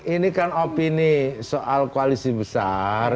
ini kan opini soal koalisi besar